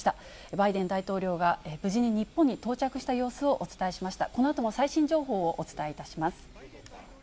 バイデン大統領が、無事に日本に到着した様子をお伝えしました。